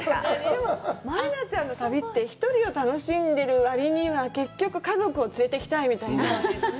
でも満里奈ちゃんの旅って、１人で楽しんでる割には結局家族を連れていきたいみたいな。